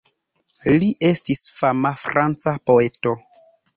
Li estis fama franca poeto.